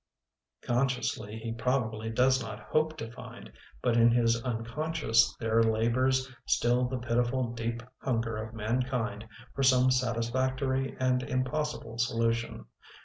Consciously he probably does not hope to find, but in his unconscious there labors still the pitiful deep hunger of mankind for some satisfac tory and impossible solution.